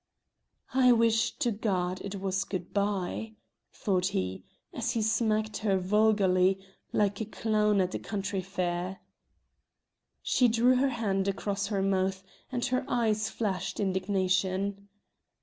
"I wish to God it was good bye!" thought he, as he smacked her vulgarly, like a clown at a country fair. She drew her hand across her mouth, and her eyes flashed indignation.